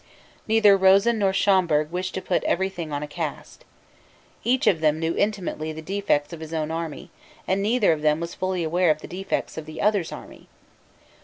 Neither Rosen nor Schomberg wished to put every thing on a cast. Each of them knew intimately the defects of his own army, and neither of them was fully aware of the defects of the other's army.